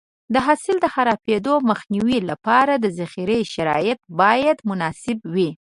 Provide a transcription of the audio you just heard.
د حاصل د خرابېدو مخنیوي لپاره د ذخیرې شرایط باید مناسب وي.